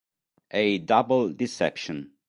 A Double Deception